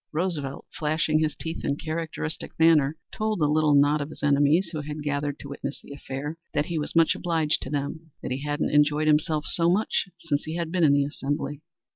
Roosevelt, flashing his teeth in characteristic manner, told the little knot of his enemies who had gathered to witness the affair that he was much obliged to them, that he hadn't enjoyed himself so much since he had been in the Assembly!